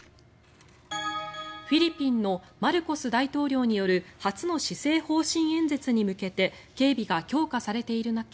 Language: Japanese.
フィリピンのマルコス大統領による初の施政方針演説に向けて警備が強化されている中